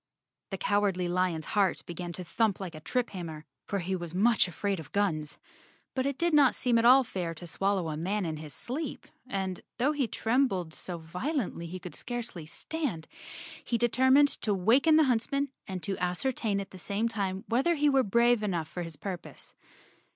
The Cowardly Lion's heart began to thump like a triphammer, for he was much afraid of guns. But it did not seem at all fair to swallow a man in his sleep afidj. though he trembled so violently he could scarcely stand, he determined to waken the huntsman and to ascertain at the same time whether he were brave enough for his purpose.